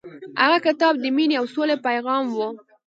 هغه کتاب د مینې او سولې پیغام و.